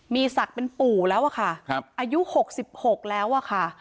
มีศักดิ์เป็นปู่แล้วอะค่ะอายุ๖๖แล้วอะค่ะ